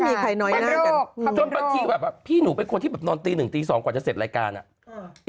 มีใครควรพีหนูเป็นคนที่นอนตีหนึ่งตีสองก่อนจะเสร็จรายการอ่ะ